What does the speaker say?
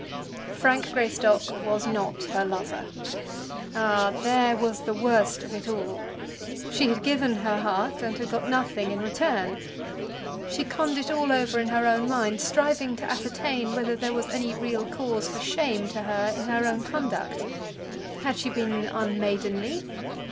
Frank Greystock was not her lover. Ah, there was the worst of it all! She had given her heart and had got nothing in return. She conned it all over in her own mind, striving to ascertain whether there was any real cause for shame to her in her own conduct. Had she been unmaidenly?